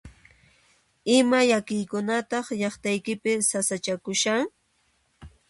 ¿Ima llakiykunataq llaqtaykipi sasachakushan?.